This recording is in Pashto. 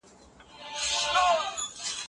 ممکن یووالی جګړه کمه کړي.